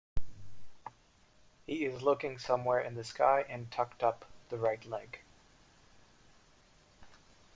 He is looking somewhere in the sky and tucked up the right leg.